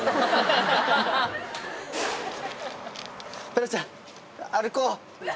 ペロちゃん歩こう。